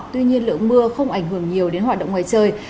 tuy nhiên lượng mưa không ảnh hưởng nhiều đến hoạt động ngoài trời